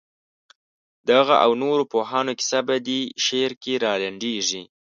د هغه او نورو پوهانو کیسه په دې شعر کې رالنډېږي.